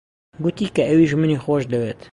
گوتی کە ئەویش منی خۆش دەوێت.